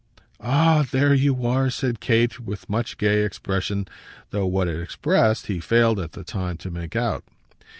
"Ah there you are!" said Kate with much gay expression, though what it expressed he failed at the time to make out.